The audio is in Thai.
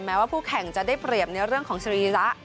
ว่าผู้แข่งจะได้เปรียบในเรื่องของสรีระ